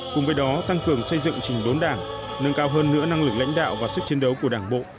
cùng với đó tăng cường xây dựng trình đốn đảng nâng cao hơn nữa năng lực lãnh đạo và sức chiến đấu của đảng bộ